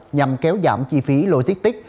nhằm kéo giảm chi phí logistic